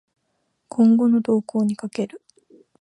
今後の動向に賭ける